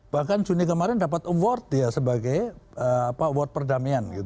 bahkan juni kemarin dapat award dia sebagai award perdamaian